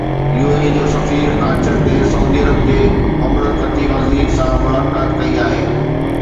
U A E جي سفير آچر تي سعودي عرب جي مملڪتي وزير سان ملاقات ڪئي آهي